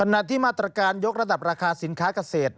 ที่มาตรการยกระดับราคาสินค้าเกษตร